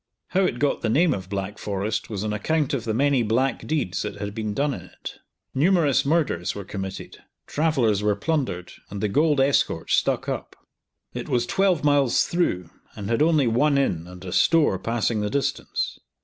How it got the name of Black Forest was on account of the many black deeds that had been done in it. Numerous murders were committed, travellers were plundered, and the gold escort stuck up. It was twelve miles through, and had only one inn and a store passing the distance.